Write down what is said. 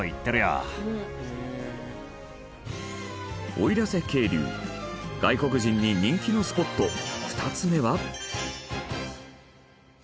奥入瀬渓流外国人に人気のスポット２つ目は。